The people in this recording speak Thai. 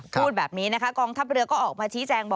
พูดแบบนี้นะคะกองทัพเรือก็ออกมาชี้แจง